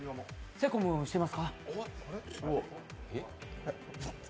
セコムしてますか？